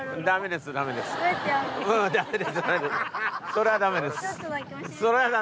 それは駄目です。